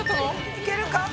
いけるか？